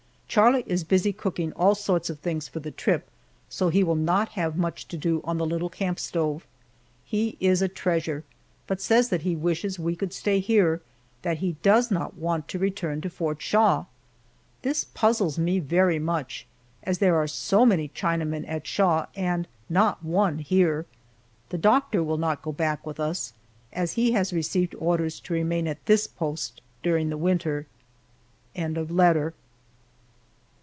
Charlie is busy cooking all sorts of things for the trip, so he will not have much to do on the little camp stove. He is a treasure, but says that he wishes we could stay here; that he does not want to return to Fort Shaw. This puzzles me very much, as there are so many Chinamen at Shaw and not one here. The doctor will not go back with us, as he has received orders to remain at this post during the winter.